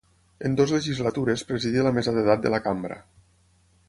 En dues legislatures presidí la mesa d'edat de la cambra.